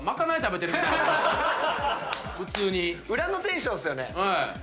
裏のテンションっすよね。